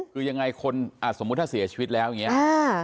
คือยังไงคนอ่ะสมมุติถ้าเสียชีวิตแล้วอย่างนี้